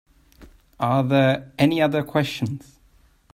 Are there any other questions?